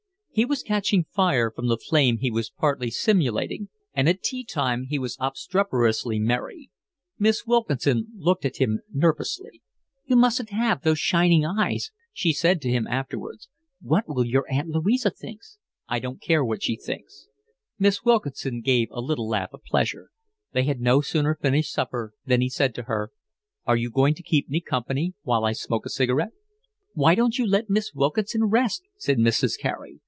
He was catching fire from the flame he was partly simulating, and at tea time he was obstreperously merry. Miss Wilkinson looked at him nervously. "You mustn't have those shining eyes," she said to him afterwards. "What will your Aunt Louisa think?" "I don't care what she thinks." Miss Wilkinson gave a little laugh of pleasure. They had no sooner finished supper than he said to her: "Are you going to keep me company while I smoke a cigarette?" "Why don't you let Miss Wilkinson rest?" said Mrs. Carey.